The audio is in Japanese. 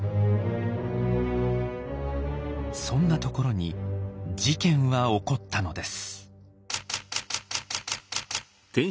そんなところに事件は起こったのです。